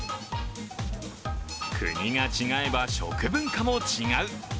国が違えば食文化も違う。